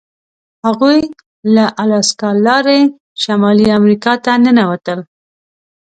هغوی له الاسکا لارې شمالي امریکا ته ننوتل.